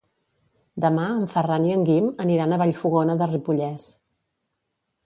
Demà en Ferran i en Guim aniran a Vallfogona de Ripollès.